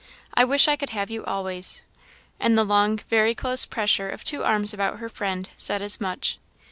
"I wish I could have you always!" And the long, very close pressure of her two arms about her friend, said as much.